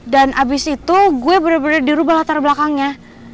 dan abis itu gue bener bener dirubah latar belakangnya